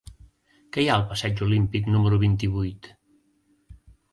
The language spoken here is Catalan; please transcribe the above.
Què hi ha al passeig Olímpic número vint-i-vuit?